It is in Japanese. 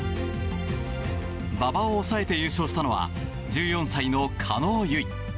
馬場を抑えて優勝したのは１４歳の叶結衣。